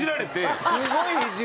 すごいな！